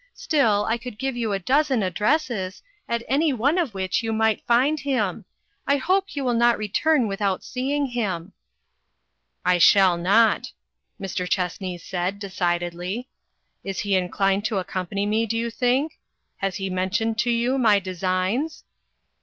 Still, I could give you a dozen addresses, at any one of which you might find him. I hope you will not return without seeing him." " I shall not," Mr. Chessney said, de cidedly. "Is he inclined to accompany me, do you think ? Has he mentioned to you my designs?"